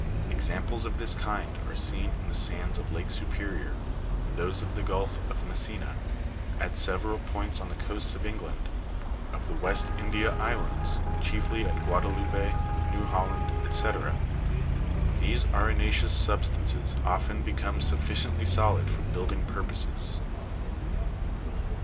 Examples of this kind are seen in the sands of lake Superior, in those of the gulf of Messina, at several points on the coasts of England, of the West India islands, chiefly at Guadaloupe, New Holland, &c. These arena'ceous substances often become sufficiently solid for building purposes.